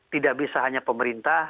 tidak bisa hanya pemerintah